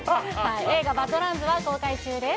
映画、バッド・ランズは公開中です。